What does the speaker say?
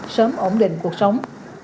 sớm ổn định cuộc sống